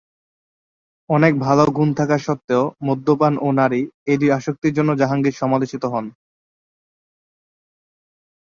অনেক ভাল গুন থাকা সত্ত্বেও, মদ্যপান ও নারী এই দুই আসক্তির জন্য জাহাঙ্গীর সমালোচিত হন।